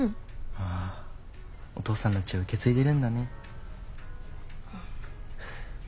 ああお父さんの血を受け継いでいるんだね。